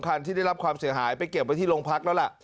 คันที่ได้รับความเสียหายไปเก็บไว้ที่โรงพักแล้วล่ะ